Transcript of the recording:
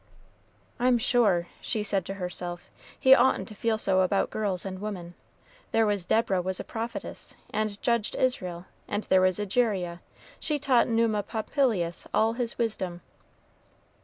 "I'm sure," she said to herself, "he oughtn't to feel so about girls and women. There was Deborah was a prophetess, and judged Israel; and there was Egeria, she taught Numa Pompilius all his wisdom."